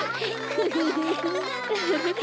ウフフフ。